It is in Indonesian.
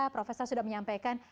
profesor sudah menyampaikan